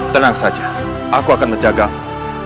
tenang saja aku akan menjagamu